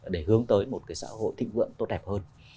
để hướng tới một cái xã hội thịnh vượng tốt đẹp hơn